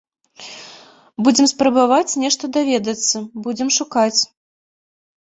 Будзем спрабаваць нешта даведацца, будзем шукаць.